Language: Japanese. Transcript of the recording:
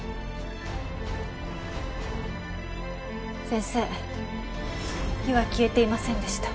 先生火は消えていませんでした。